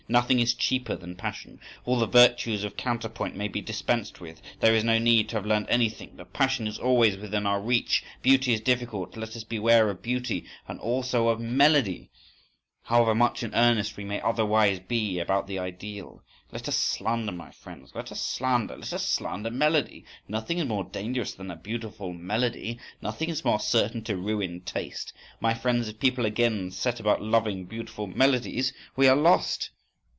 Nothing is cheaper than passion! All the virtues of counterpoint may be dispensed with, there is no need to have learnt anything,—but passion is always within our reach! Beauty is difficult: let us beware of beauty!… And also of melody! However much in earnest we may otherwise be about the ideal, let us slander, my friends, let us slander,—let us slander melody! Nothing is more dangerous than a beautiful melody! Nothing is more certain to ruin taste! My friends, if people again set about loving beautiful melodies, we are lost!